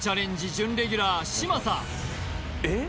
準レギュラー嶋佐えっ？